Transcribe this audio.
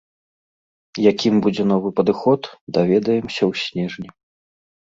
Якім будзе новы падыход, даведаемся ў снежні.